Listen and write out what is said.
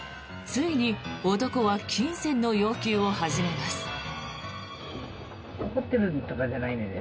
ついに男は金銭の要求を始めます。